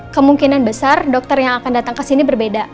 kemungkinan besar dokter yang akan datang ke sini berbeda